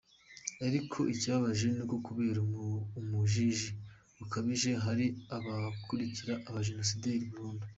Ariko ikibabaje ni uko kubera ubujiji bukabije hari abakurikira abajenosideri burundu.